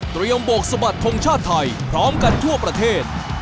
เตรียมโบกสมบัติของชาติไทยพร้อมกันทั่วประเทศ